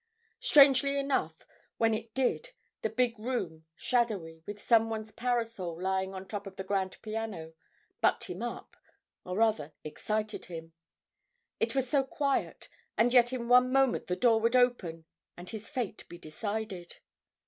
Strangely enough, when it did, the big room, shadowy, with some one's parasol lying on top of the grand piano, bucked him up—or rather, excited him. It was so quiet, and yet in one moment the door would open, and his fate be decided.